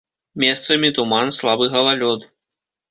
Месцамі туман, слабы галалёд.